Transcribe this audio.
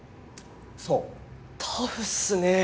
そうタフっすね